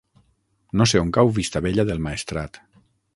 No sé on cau Vistabella del Maestrat.